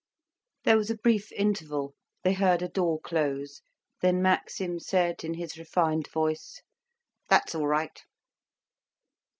There was a brief interval, they heard a door close, then Maxim said, in his refined voice: "That's all right."